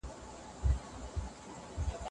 ولسي جرګه په سيمه ييزو چارو کي هم دخيله ده.